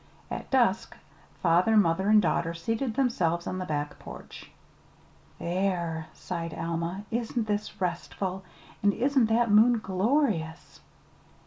At dusk father, mother, and daughter seated themselves on the back porch. "There!" sighed Alma. "Isn't this restful? And isn't that moon glorious?"